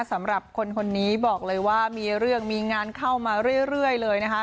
สำหรับคนคนนี้บอกเลยว่ามีเรื่องมีงานเข้ามาเรื่อยเลยนะคะ